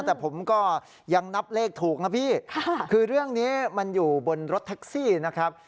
แต่ผมก็ยังนับเลขถูกนะพี่คือเรื่องนี้มันอยู่บนรถแท็กซี่นะครับ